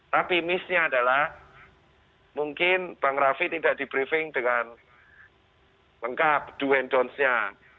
tapi miss nya adalah mungkin bang rafi tidak di briefing dengan lengkap do and don't nya